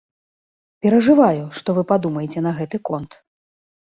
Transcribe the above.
Перажываю, што вы падумаеце на гэты конт.